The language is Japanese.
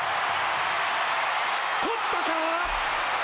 捕ったか？